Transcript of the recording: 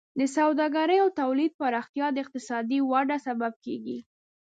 د سوداګرۍ او تولید پراختیا د اقتصادي وده سبب کیږي.